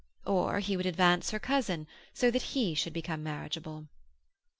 Or he would advance her cousin so that he should become marriageable.